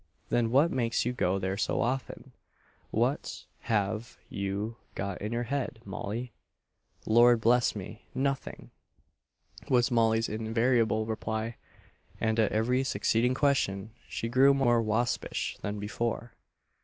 "Then what makes you go there so often? What have you got in your head, Molly?" "Lord bless me, nothing!" was Molly's invariable reply; and at every succeeding question she grew more waspish than before.